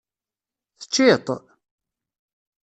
Teččiḍ-t?